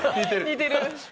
似てる！